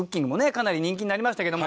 かなり人気になりましたけども。